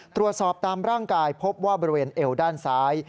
ตรวจสอบตามร่างกายพบว่าบริเวณเอวด้านซ้าย